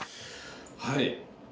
はい。